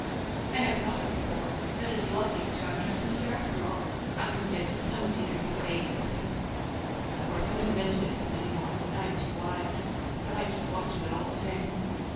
I never thought of it before, but it is lucky that John kept me here after all. I can stand it so much easier than a baby, you see. Of course I never mention it to them any more,—I am too wise,—but I keep watch of it all the same.